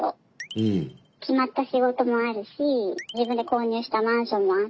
決まった仕事もあるし自分で購入したマンションもあって。